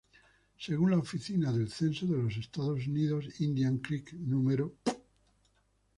Según la Oficina del Censo de los Estados Unidos, Indian Creek No.